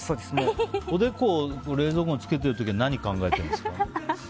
おでこを冷蔵庫につけている時は何を考えてるんですか？